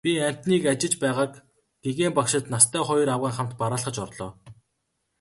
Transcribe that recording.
Би амьтныг ажиж байгааг гэгээн багшид настай хоёр авгайн хамт бараалхаж орлоо.